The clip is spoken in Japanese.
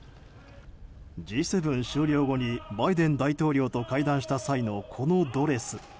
Ｇ７終了後にバイデン大統領と会談した際のこのドレス。